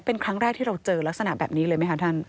เป็นครั้งแรกที่เราเจอลักษณะแบบนี้เลยไหมคะท่าน